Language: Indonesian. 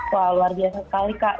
wah luar biasa sekali kak